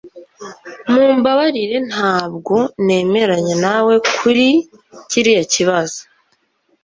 Mumbabarire ntabwo nemeranya nawe kuri kiriya kibazo